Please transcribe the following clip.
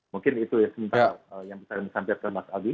mungkin itu ya yang bisa disampaikan mas agi